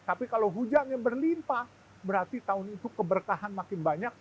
tapi kalau hujannya berlimpah berarti tahun itu keberkahan makin banyak